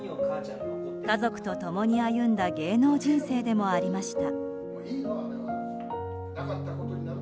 家族と共に歩んだ芸能人生でもありました。